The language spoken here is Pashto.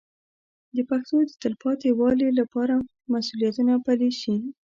د پښتو د تلپاتې والي لپاره مسوولیتونه پلي شي.